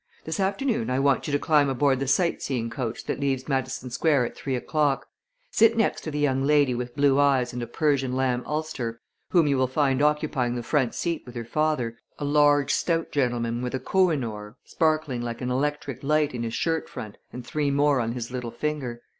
This afternoon I want you to climb aboard the sight seeing coach that leaves Madison Square at three o'clock. Sit next to the young lady with blue eyes and a Persian lamb ulster, whom you will find occupying the front seat with her father, a large, stout gentleman with a kohinoor sparkling like an electric light in his shirt front and three more on his little finger.